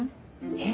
えっ？